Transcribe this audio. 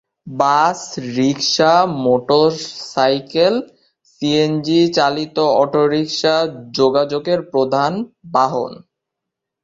বাস, rickshaw, motor cycle, CNG চালিত auto rickshaw যোগাযোগের প্রধান বাহন।